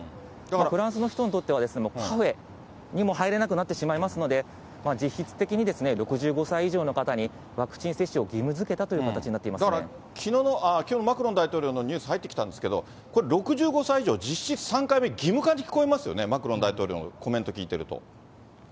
フランスの人にとってはカフェにも入れなくなってしまいますので、実質的に６５歳以上の方にワクチン接種を義務づけたという形になだから、きょう、マクロン大統領のニュース、入ってきたんですけれども、これ、６５歳以上、実質３回目、義務化に聞こえますよね、マクロン大統領のコメント聞いてると。